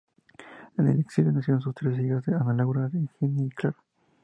En el exilio nacieron sus tres hijas: Ana Laura, Eugenia y Clara.